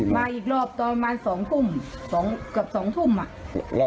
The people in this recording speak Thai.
อีกรอบตอนประมาณ๒ทุ่มเกือบ๒ทุ่มอ่ะ